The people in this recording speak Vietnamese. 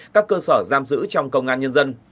các cơ sở giam giữ trong công an nhân dân